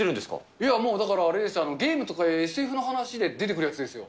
いや、もうだからあれですよ、ゲームとかＳＦの話で出てくるやつですよ。